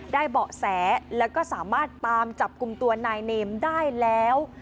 เบาะแสแล้วก็สามารถตามจับกลุ่มตัวนายเนมได้แล้ว